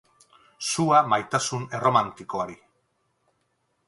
Sua maitasun erromantikoari.